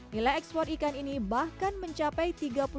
di dua ribu sembilan belas nilai ekspor ikan ini bahkan mencapai